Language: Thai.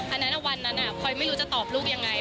อันนั้นวันนั้นพลอยไม่รู้จะตอบลูกยังไง